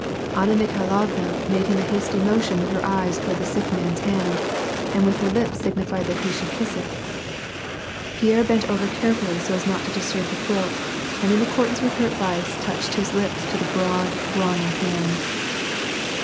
Anna Mikhailovna made ^ liim a hasty motion with her eyes toward the si(^k man's hand, and with her lips signified that he should kiss it. Pierre bent over carefully so as not to disturb the quilt, and in accordance with her advice touched his lips to the broad, brawny hand.